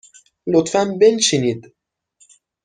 لطفاً بنشینید.